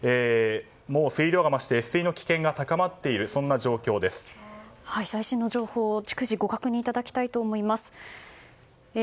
もう水量が増して、越水の危険が最新の情報を逐次ご確認いただきたいと思います。